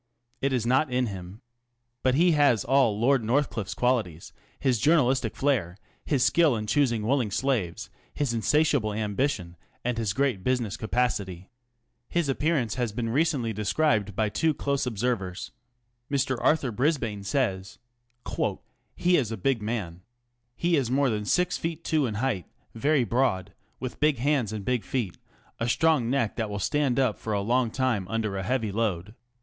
It is not in him. But he has all Lord North cliffe's qualities ŌĆö his journalistic flairt\ his skill in choosing willing slaves, his insatiable ambition, and his great business capacity. His appearance has been recently described by two close observers. Mr. Arthur Brisbane says : ŌĆö He is a big man. He is more than six feet two in height, very broad, with big hands and big feet, a strong neck that will stand up for a long time under a heavy load.